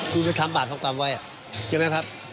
กรุงจะทำบาปทางตามไว้ใช่ไหมครับ